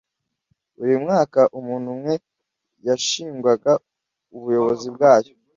buri mwaka, umuntu umwe yashingwaga ubuyobozi bwayo